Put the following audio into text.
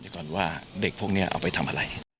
แต่ก่อนว่าเด็กพวกนี้เอาไปทำอะไร